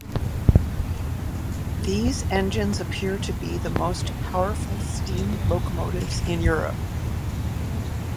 These engines appear to be the most powerful steam locomotives in Europe.